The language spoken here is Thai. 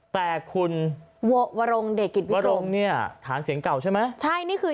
แต่คุณวรงเดกิจวรงเนี่ยฐานเสียงเก่าใช่ไหมใช่นี่คือ